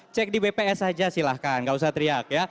cek di bps saja silahkan nggak usah teriak ya